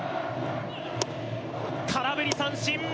空振り三振！